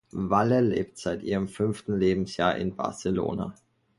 Valle lebt seit ihrem fünften Lebensjahr in Barcelona.